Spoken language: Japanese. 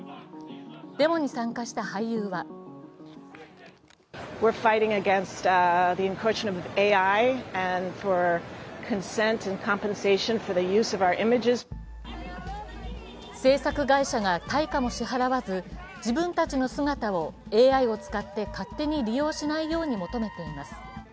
デモに参加した俳優は制作会社が対価も支払わず自分たちの姿をＡＩを使って勝手に利用しないように求めています。